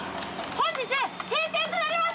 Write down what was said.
本日閉店となります！